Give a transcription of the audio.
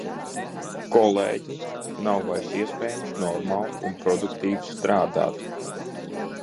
Kolēģi, nav vairs iespējams normāli un produktīvi strādāt!